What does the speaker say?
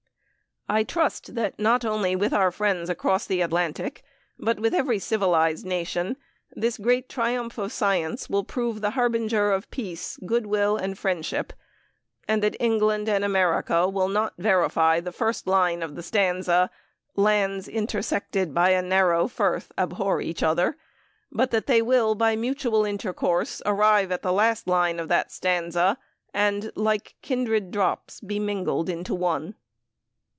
I trust that, not only with our friends across the Atlantic, but with every civilized nation, this great triumph of science will prove the harbinger of peace, good will, and friendship; and that England and America will not verify the first line of the stanza, Lands intersected by a narrow firth Abhor each other, but that they will, by mutual intercourse, arrive at the last line of that stanza, and "like kindred drops, be mingled into one."